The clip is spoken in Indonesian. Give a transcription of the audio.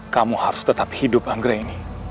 kamu harus tetap hidup anggrek ini